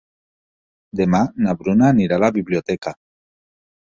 Demà na Bruna anirà a la biblioteca.